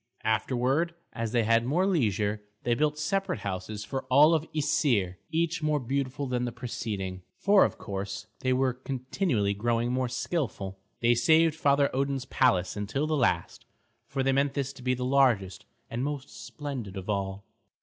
Afterward, as they had more leisure, they built separate houses for all the Æsir, each more beautiful than the preceding, for of course they were continually growing more skilful. They saved Father Odin's palace until the last, for they meant this to be the largest and the most splendid of all.